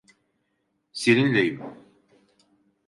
Seninleyim.